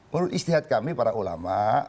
menurut istihad kami para ulama